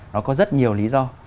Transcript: nó có rất nhiều lý do